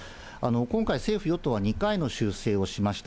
今回、政府・与党は２回の修正をしました。